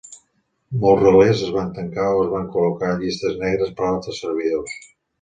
Molts relés es van tancar o es van col·locar a llistes negres per altres servidors.